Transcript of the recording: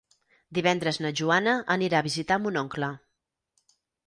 Divendres na Joana anirà a visitar mon oncle.